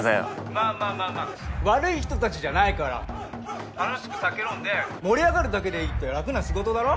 まぁまぁまぁまぁ悪い人たちじゃないから楽しく酒飲んで盛り上がるだけでいいって楽な仕事だろ？